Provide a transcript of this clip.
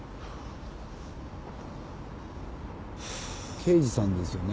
刑事さんですよね？